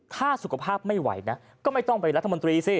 ถ้าสุขภาพไม่ไหวนะก็ไม่ต้องไปรัฐมนตรีสิ